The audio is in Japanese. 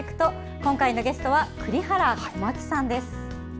今回のゲストは栗原小巻さんです。